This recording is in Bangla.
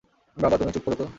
বাবা তুমি চুপ করো তো।